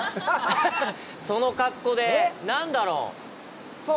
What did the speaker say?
その格好で、何だろう？